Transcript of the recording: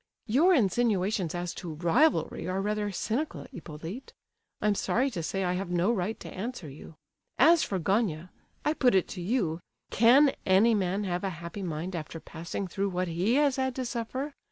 "Your insinuations as to rivalry are rather cynical, Hippolyte. I'm sorry to say I have no right to answer you! As for Gania, I put it to you, can any man have a happy mind after passing through what he has had to suffer?